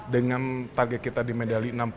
dengan target kita di medali